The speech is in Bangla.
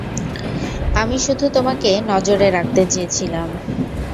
আমি শুধু তোমাকে নজরে রাখতে চেয়েছিলাম।